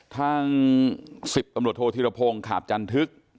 ทาง๑๐ตำรวจโทษธิรพงศ์ขาบจันทึก